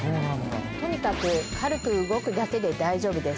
とにかく軽く動くだけで大丈夫です。